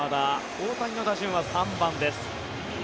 大谷の打順は３番です。